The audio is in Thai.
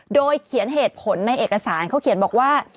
โดยเขียนเหตุผลในเอกสารเขาเขียนบอกว่า